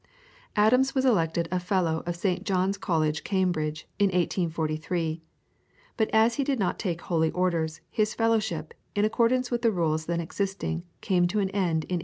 Adams was elected a Fellow of St. John's College, Cambridge, in 1843; but as he did not take holy orders, his Fellowship, in accordance with the rules then existing came to an end in 1852.